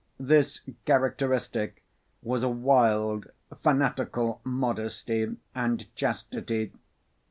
This characteristic was a wild fanatical modesty and chastity.